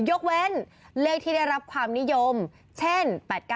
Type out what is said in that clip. ยกเว้นเลขที่ได้รับความนิยมเช่น๘๙